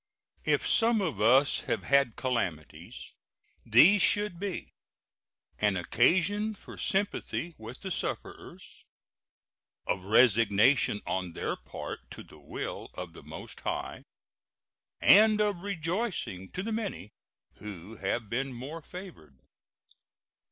If some of us have had calamities, these should be an occasion for sympathy with the sufferers, of resignation on their part to the will of the Most High, and of rejoicing to the many who have been more favored.